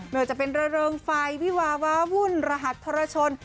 เมื่อจะเป็นเริงไฟวิวาวาวุ่นรหัสธรรมชน